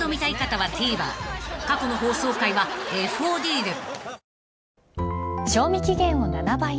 ［過去の放送回はＦＯＤで］